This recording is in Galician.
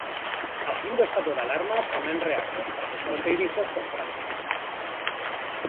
A fin do estado de alarma tamén reabre os pasos fronteirizos con Francia.